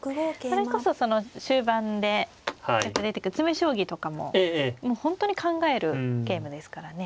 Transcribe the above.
それこそ終盤でよく出てくる詰め将棋とかも本当に考えるゲームですからね。